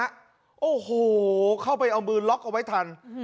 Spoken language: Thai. คุณเจาะหัวเนี้ยฮะโอ้โหเข้าไปเอามือล็อกเอาไว้ทัน